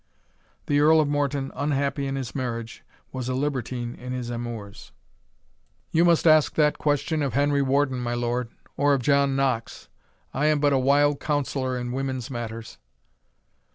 The Earl of Morton, unhappy in his marriage, was a libertine in his amours. "You must ask that question of Henry Warden, my lord, or of John Knox I am but a wild counsellor in women's matters."